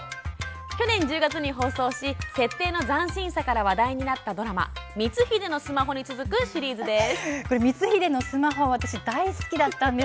去年１０月に放送し設定の斬新さから話題になったドラマ「光秀のスマホ」に続くシリーズです。